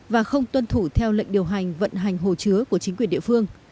và không tuân thủ theo lệnh điều hành vận hành hồ chứa của chính quyền địa phương